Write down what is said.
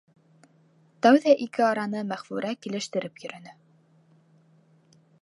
Тәүҙә ике араны Мәғфүрә килештереп йөрөнө.